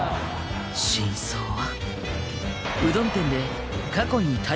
真相は。